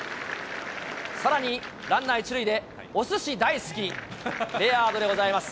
さらにランナー１塁で、おすし大好き、レアードでございます。